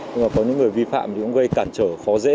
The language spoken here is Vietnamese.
nhưng mà có những người vi phạm thì cũng gây cản trở khó dễ